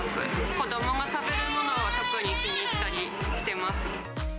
子どもが食べるものは特に気にしたりしてます。